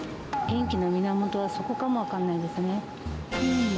元気の源はそこかも分からないですね。